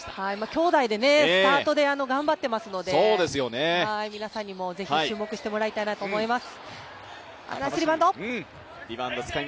兄弟でスタートで頑張っていますので、皆さんにもぜひ注目してもらいたいなと思います。